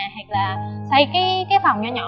hay là xây cái phòng nhỏ nhỏ